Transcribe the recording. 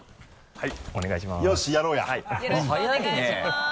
はい。